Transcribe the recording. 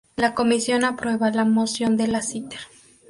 La comisión aprueba la moción de Lassiter.